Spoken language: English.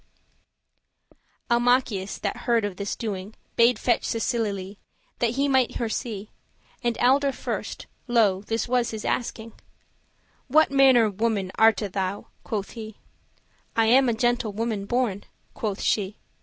*believe die Almachius, that heard of this doing, Bade fetch Cecilie, that he might her see; And alderfirst,* lo, this was his asking; *first of all "What manner woman arte thou?" quoth he, "I am a gentle woman born," quoth she.